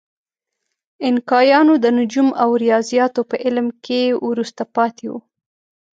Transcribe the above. اینکایانو د نجوم او ریاضیاتو په علم کې وروسته پاتې وو.